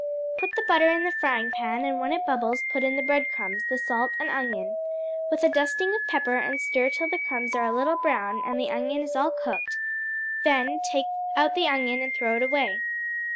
Put the butter in the frying pan, and when it bubbles put in the bread crumbs, the salt and onion, with a dusting of pepper, and stir till the crumbs are a little brown and the onion is all cooked; then take out the onion and throw it away.